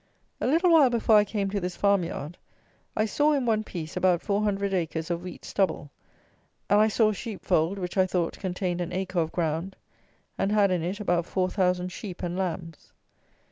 A little while before I came to this farm yard, I saw, in one piece, about four hundred acres of wheat stubble, and I saw a sheep fold, which, I thought, contained an acre of ground, and had in it about four thousand sheep and lambs.